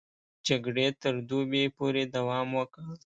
جګړې تر دوبي پورې دوام وکړ.